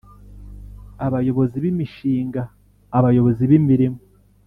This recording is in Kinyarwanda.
Abayobozi b imishinga abayobozi b imirimo